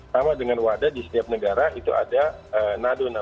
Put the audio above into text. sama dengan wada di setiap negara itu ada nado